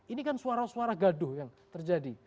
ini kan suara suara gaduh yang terjadi